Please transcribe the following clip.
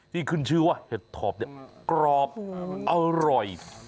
ที่ขึ้นชื่อว่าเห็ดถอบเนี่ยกรอบอร่อย